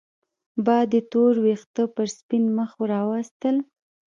باد يې تور وېښته پر سپين مخ راوستل